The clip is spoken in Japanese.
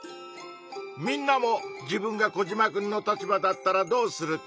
みんなも自分がコジマくんの立場だったらどうするか。